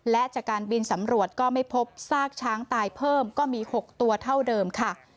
และจากการบินสำรวจก็ไม่พบซากช้างตายเพิ่มก็มี๖ตัวเท่าเดิมค่ะ